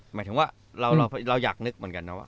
หมายถึงว่าเราอยากนึกเหมือนกันนะว่า